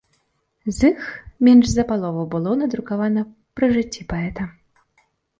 З іх менш за палову было надрукавана пры жыцці паэта.